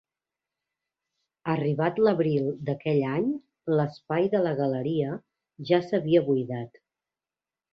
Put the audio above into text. Arribat l'abril d'aquell any, l'espai de la galeria ja s'havia buidat.